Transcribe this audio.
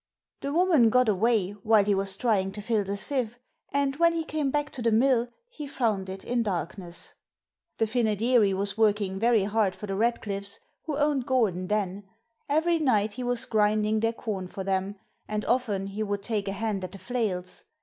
The woman got away while he was trying to fill the sieve, and when he came back to the mill he found it in darkness. The Fynoderee was working very hard for the Radcliffes, who owned Gordon then. Every night he was grinding their corn for them, and often he would take a hand at the flails.